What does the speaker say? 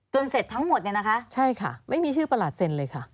เสร็จทั้งหมดเนี่ยนะคะใช่ค่ะไม่มีชื่อประหลัดเซ็นเลยค่ะ